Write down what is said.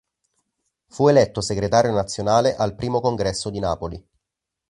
Fu eletto Segretario nazionale al primo congresso di Napoli.